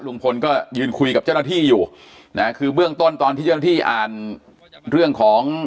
ลุงพลก็ยืนคุยกับเจ้าหน้าที่อยู่นะคือเบื้องต้นตอนที่เจ้าหน้าที่อ่านเรื่องของ